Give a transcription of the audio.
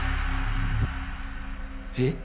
えっ？